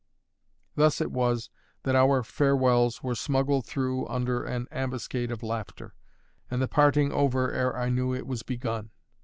Thus it was that our farewells were smuggled through under an ambuscade of laughter, and the parting over ere I knew it was begun.